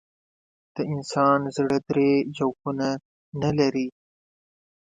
د انسان زړه درې جوفونه نه لري.